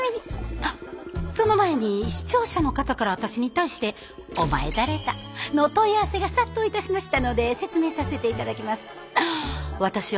あっその前に視聴者の方から私に対して「お前誰だ」の問い合わせが殺到いたしましたので説明させて頂きます。